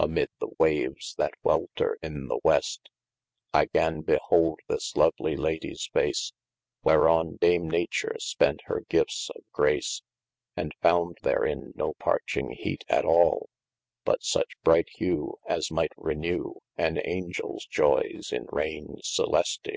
Amid the waves that waiter in the west, I gan behold this lovely Ladies face, Whereon dame nature spent hir giftes of grace : And found therein no parching heat at all, But such bright hew, As might renew, An Aungels joyes in raigne celestiall.